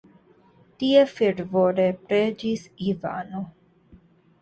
Tie fervore preĝis Ivano.